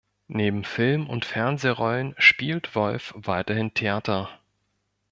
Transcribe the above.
Neben Film- und Fernsehrollen spielt Wolff weiterhin Theater.